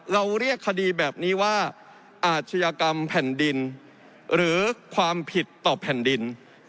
เราเรียกคดีแบบนี้ว่าอาชญากรรมแผ่นดินหรือความผิดต่อแผ่นดิน